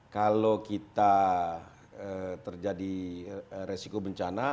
kalau kita terjadi resiko bencana